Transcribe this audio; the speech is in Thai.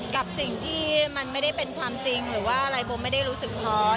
กับสิ่งที่มันไม่ได้เป็นความจริงหรือว่าอะไรโบไม่ได้รู้สึกท้อน